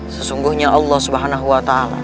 sesungguhnya allah swt